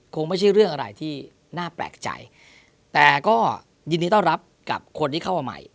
คงไม่ใช่เรื่องอะไรที่น่าแปลกใจแต่ก็ยินดีต้อนรับกับคนที่เข้ามาใหม่